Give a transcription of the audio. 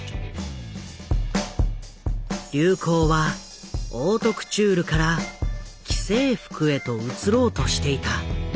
流行はオートクチュールから既製服へと移ろうとしていた。